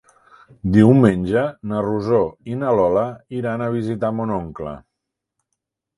Diumenge na Rosó i na Lola iran a visitar mon oncle.